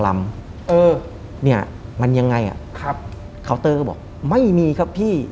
ไม่มีครับพี่